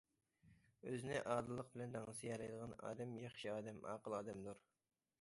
ئۆزىنى ئادىللىق بىلەن دەڭسىيەلەيدىغان ئادەم ياخشى ئادەم، ئاقىل ئادەمدۇر.